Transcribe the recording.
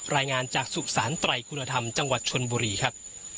รายงานจากสุสานไตรคุณธรรมจังหวัดชนบุรีครับ